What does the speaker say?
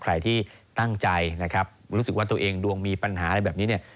ใครที่ตั้งใจนะครับรู้สึกว่าตัวเองดวงมีปัญหาอะไรแบบนี้เนี่ย